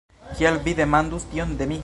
"Kial vi demandus tion de mi?